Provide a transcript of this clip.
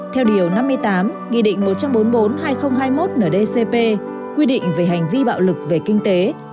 theo điều năm mươi tám nghị định một trăm bốn mươi bốn hai nghìn hai mươi một ndcp quy định về hành vi bạo lực về kinh tế